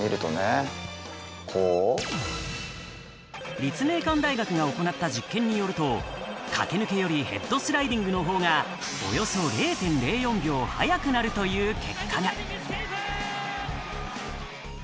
立命館大学が行った実験によると、駆け抜けよりヘッドスライディングのほうが、およそ０．０４秒速くなるという結果が。